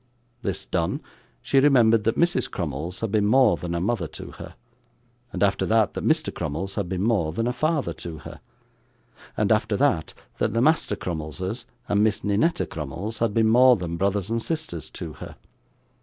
This done, she remembered that Mrs. Crummles had been more than a mother to her, and after that, that Mr. Crummles had been more than a father to her, and after that, that the Master Crummleses and Miss Ninetta Crummles had been more than brothers and sisters to her.